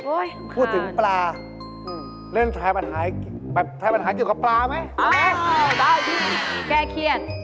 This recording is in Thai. โอ้โฮถูกไว้สองตัวจะพอเลย